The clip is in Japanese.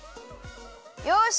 よし！